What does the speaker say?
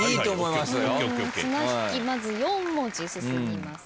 まず４文字進みます。